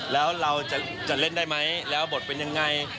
แล้วเราจะเล่นได้ไหมแล้วบทเป็นยังไง